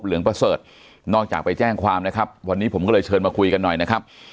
ประเสริฐนอกจากไปแจ้งความนะครับวันนี้ผมก็เลยเชิญมาคุยกันหน่อยนะครับ